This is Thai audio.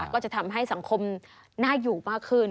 ก็จะทำให้สังคมน่าอยู่มากขึ้น